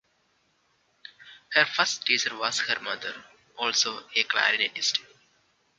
Her first teacher was her mother, also a clarinetist.